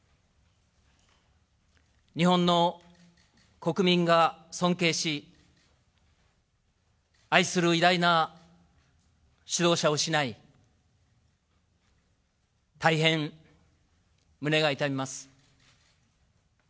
日本の国民が尊敬し、愛する偉大な指導者を失い、大変胸が痛みます。